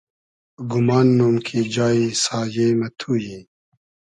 گومان نوم کی جایی سایې مۂ تو یی